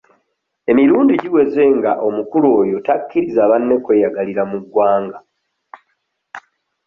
Emirundi giweze nga omukulu oyo takkiriza banne kweyagalira mu ggwanga.